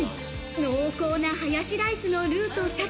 濃厚なハヤシライスのルーと鮭。